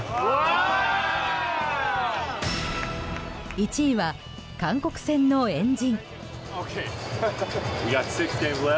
１位は韓国戦の円陣。